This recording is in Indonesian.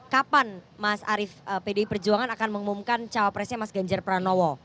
kapan mas arief pdp perjuangan akan mengumumkan cowok presnya mas ganjar pranowo